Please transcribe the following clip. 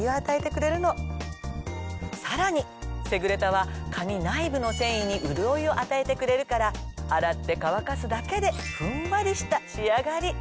さらにセグレタは髪内部の繊維に潤いを与えてくれるから洗って乾かすだけでふんわりした仕上がり！